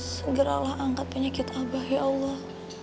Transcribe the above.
segeralah angkat penyakit abah ya allah